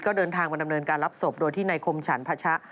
ก็เดินทางมาดำเนินการรับศพโดยที่ในคมฉันพชะ